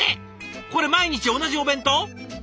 これ毎日同じお弁当！？